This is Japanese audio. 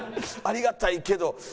ありがたいけど。